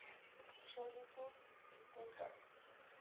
Schloss Solitude Stuttgart.